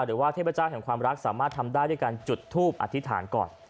หรือว่าเทพเจ้าแห่งความรักสามารถทำได้ด้วยการจุดทูปอธิษฐานก่อน